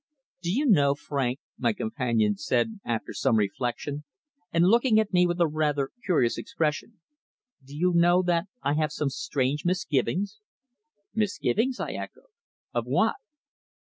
"Do you know, Frank," my companion said after some reflection, and looking at me with a rather curious expression "do you know that I have some strange misgivings?" "Misgivings!" I echoed. "Of what?"